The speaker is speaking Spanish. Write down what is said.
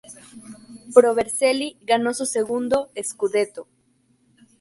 Pro Vercelli ganó su segundo "scudetto".